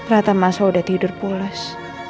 rata mas al udah tidur pulas